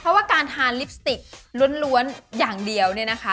เพราะว่าการทานลิปสติกล้วนอย่างเดียวเนี่ยนะคะ